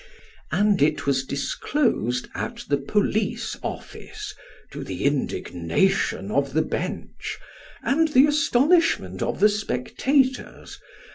And it was disclosed at the Police office, to the indignation of the Bench, and the astonishment of the spectators, 2O2 Sketches by Bos.